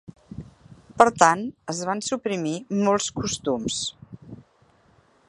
Per tant, es van suprimir molts costums.